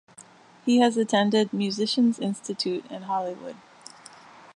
He has attended Musicians Institute in Hollywood.